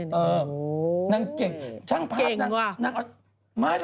โอ้โฮเก่งกว่าช้างภาพนางเรียกใช่